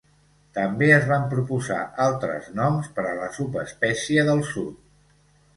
També es van proposar altres noms per a la subespècie del sud.